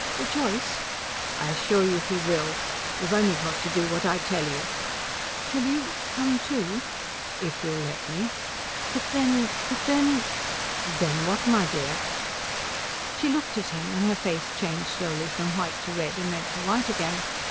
"Rejoice?" "I assure you he will. You've only got to do what I tell you." "Shall you come too?" "If you'll let me." "But then but then " "Then what, my dear?" She looked at him, and her face changed slowly from white to red and red to white again.